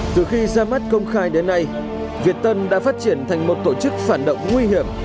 từ khi ra mắt công khai đến nay việt tân đã phát triển thành một tổ chức phản động nguy hiểm